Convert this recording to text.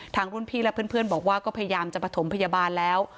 รุ่นพี่และเพื่อนบอกว่าก็พยายามจะประถมพยาบาลแล้ว